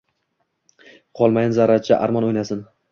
Qolmayin zarracha armon o’ynasin.